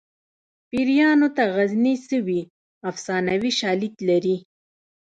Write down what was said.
پیریانو ته غزني څه وي افسانوي شالید لري